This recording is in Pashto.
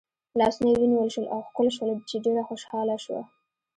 لاسونه یې ونیول شول او ښکل شول چې ډېره خوشحاله شوه.